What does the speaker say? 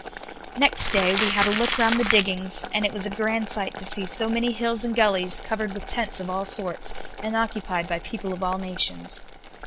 Next day we had a look round the diggings, and it was a grand sight to see so many hills and gullies covered with tents of all sorts, and occupied by people of all nations.